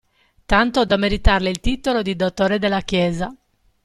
Tanto da meritarle il titolo di dottore della Chiesa.